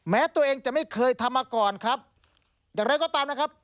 แม้ตัวเองจะไม่เคยทำมาก่อนครับอย่างไรก็ตามนะครับ